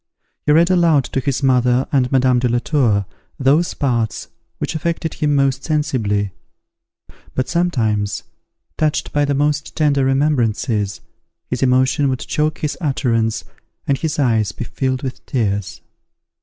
He read aloud to his mother and Madame de la Tour, those parts which affected him most sensibly; but sometimes, touched by the most tender remembrances, his emotion would choke his utterance, and his eyes be filled with tears.